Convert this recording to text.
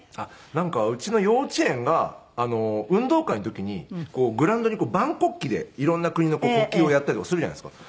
なんかうちの幼稚園が運動会の時にグラウンドに万国旗で色んな国の国旗をやったりとかするじゃないですか。